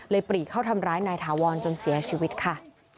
ปรีเข้าทำร้ายนายถาวรจนเสียชีวิตค่ะ